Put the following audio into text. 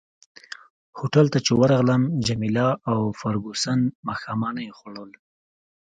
هوټل ته چي ورغلم جميله او فرګوسن ماښامنۍ خوړل.